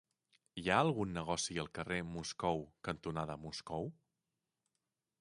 Hi ha algun negoci al carrer Moscou cantonada Moscou?